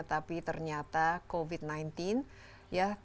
tapi ternyata covid sembilan belas ini sudah berakhir